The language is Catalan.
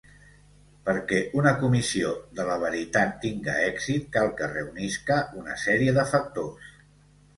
Perquè una comissió de la veritat tinga èxit cal que reunisca una sèrie de factors.